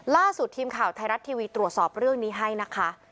ล่าสุดทีมข่าวไทยรัฐทีวีตรวจสอบเรื่องนี้ให้นะคะ